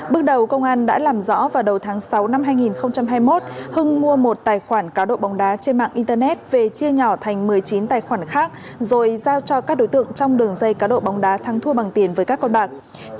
bước đầu công an đã làm rõ vào đầu tháng sáu năm hai nghìn hai mươi một hưng mua một tài khoản cá độ bóng đá trên mạng internet về chia nhỏ thành một mươi chín tài khoản khác rồi giao cho các đối tượng trong đường dây cá độ bóng đá thắng thua bằng tiền với các con bạc